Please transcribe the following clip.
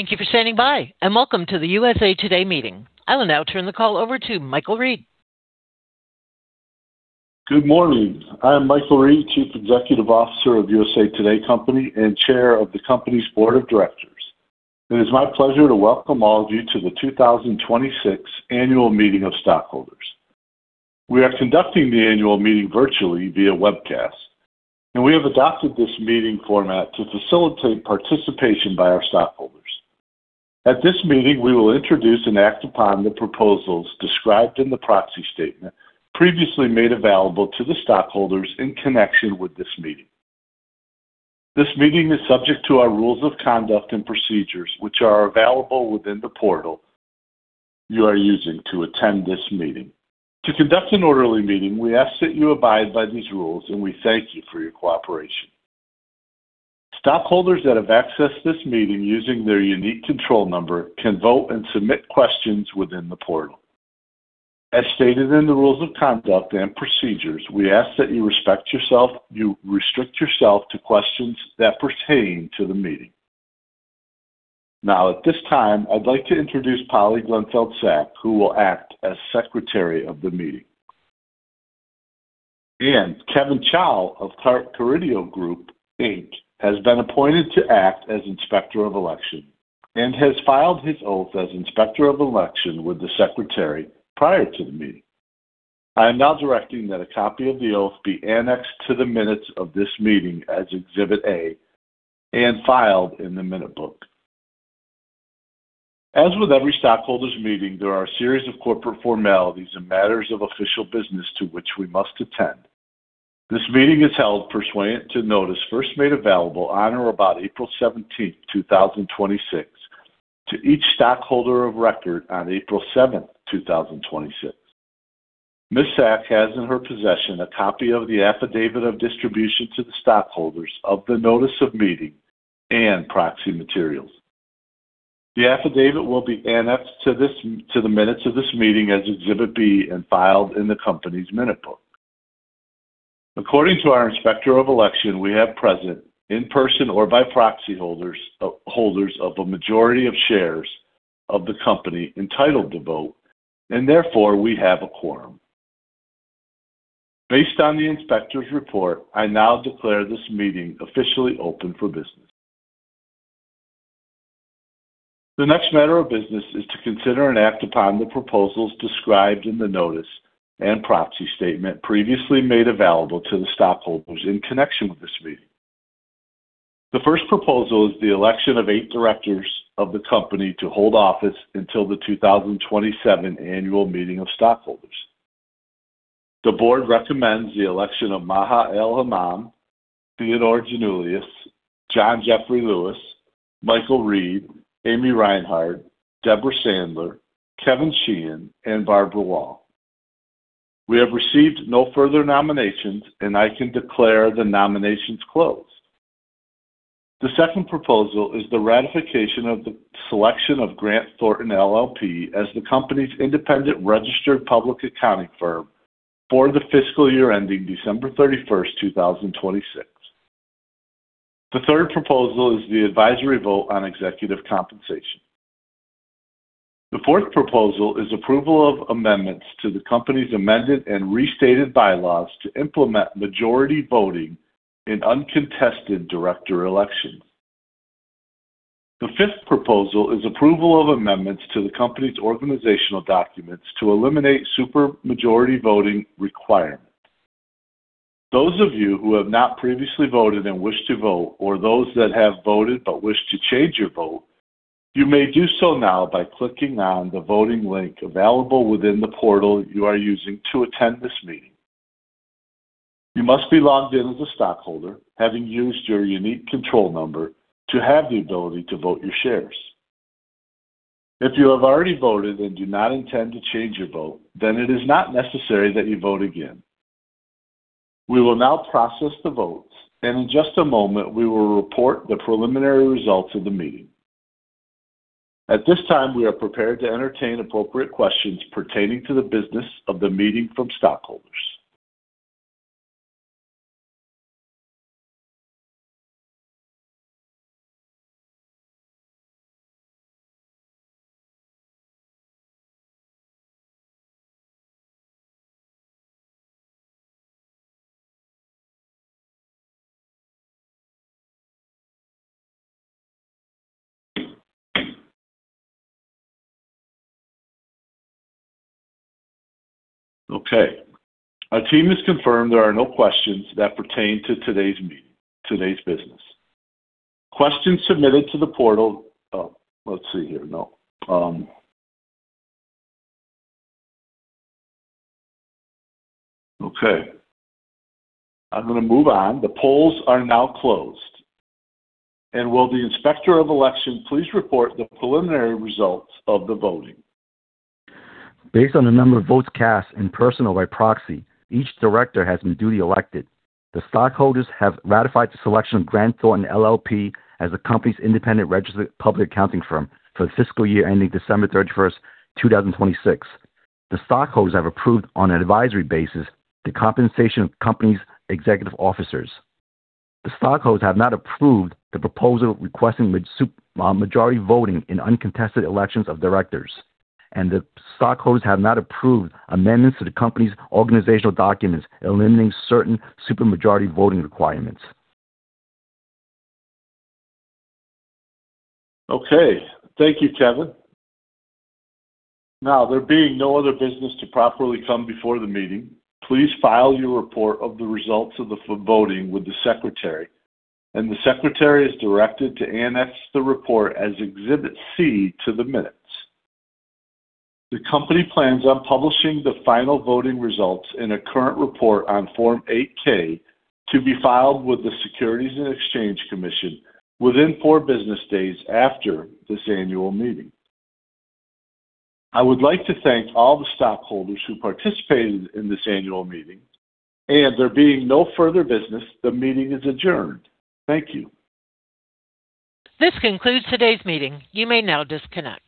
Thank you for standing by, and welcome to the USA TODAY meeting. I will now turn the call over to Michael Reed. Good morning. I am Mike Reed, Chief Executive Officer of USA TODAY Company and Chair of the company's Board of Directors. It is my pleasure to welcome all of you to the 2026 Annual Meeting of Stockholders. We have adopted this meeting format to facilitate participation by our stockholders. At this meeting, we will introduce and act upon the proposals described in the proxy statement previously made available to the stockholders in connection with this meeting. This meeting is subject to our rules of conduct and procedures, which are available within the portal you are using to attend this meeting. To conduct an orderly meeting, we ask that you abide by these rules, and we thank you for your cooperation. Stockholders that have accessed this meeting using their unique control number can vote and submit questions within the portal. As stated in the rules of conduct and procedures, we ask that you restrict yourself to questions that pertain to the meeting. At this time, I'd like to introduce Polly Grunfeld Sack, who will act as Secretary of the Meeting. Kevin Chao of [Clark Carrido Group Inc] has been appointed to act as Inspector of Election and has filed his oath as Inspector of Election with the Secretary prior to the Meeting. I am now directing that a copy of the oath be annexed to the minutes of this meeting as Exhibit A and filed in the minute book. As with every stockholders meeting, there are a series of corporate formalities and matters of official business to which we must attend. This meeting is held pursuant to notice first made available on or about April 17, 2026, to each stockholder of record on April 7, 2026. Ms. Sack has in her possession a copy of the affidavit of distribution to the stockholders of the notice of meeting and proxy materials. The affidavit will be annexed to the minutes of this meeting as Exhibit B and filed in the company's minute book. According to our Inspector of Election, we have present in person or by proxy holders of a majority of shares of the company entitled to vote, and therefore we have a quorum. Based on the inspector's report, I now declare this meeting officially open for business. The next matter of business is to consider and act upon the proposals described in the notice and proxy statement previously made available to the stockholders in connection with this meeting. The first proposal is the election of eight directors of the company to hold office until the 2027 annual meeting of stockholders. The board recommends the election of Maha Al-Emam, Theodore Janulis, John Jeffry Louis, Michael Reed, Amy Reinhard, Debra Sandler, Kevin Sheehan, and Barbara Wall. We have received no further nominations, and I can declare the nominations closed. The second proposal is the ratification of the selection of Grant Thornton LLP as the company's independent registered public accounting firm for the fiscal year ending December 31st, 2026. The third proposal is the advisory vote on executive compensation. The fourth proposal is approval of amendments to the company's amended and restated bylaws to implement majority voting in uncontested director elections. The fifth proposal is approval of amendments to the company's organizational documents to eliminate supermajority voting requirement. Those of you who have not previously voted and wish to vote or those that have voted but wish to change your vote, you may do so now by clicking on the voting link available within the portal you are using to attend this meeting. You must be logged in as a stockholder, having used your unique control number to have the ability to vote your shares. If you have already voted and do not intend to change your vote, it is not necessary that you vote again. We will now process the votes, and in just a moment, we will report the preliminary results of the meeting. At this time, we are prepared to entertain appropriate questions pertaining to the business of the meeting from stockholders. Okay. Our team has confirmed there are no questions that pertain to today's business. Questions submitted to the portal Oh, let's see here. No. Okay. I'm gonna move on. The polls are now closed. Will the Inspector of Election please report the preliminary results of the voting? Based on the number of votes cast in person or by proxy, each director has been duly elected. The stockholders have ratified the selection of Grant Thornton LLP as the company's independent registered public accounting firm for the fiscal year ending December 31st, 2026. The stockholders have approved on an advisory basis the compensation of the company's executive officers. The stockholders have not approved the proposal requesting majority voting in uncontested elections of directors. The stockholders have not approved amendments to the company's organizational documents eliminating certain supermajority voting requirements. Okay. Thank you, Kevin. There being no other business to properly come before the meeting, please file your report of the results of the voting with the secretary, and the secretary is directed to annex the report as Exhibit C to the minutes. The company plans on publishing the final voting results in a current report on Form 8-K to be filed with the Securities and Exchange Commission within four business days after this annual meeting. I would like to thank all the stockholders who participated in this annual meeting. There being no further business, the meeting is adjourned. Thank you. This concludes today's meeting. You may now disconnect.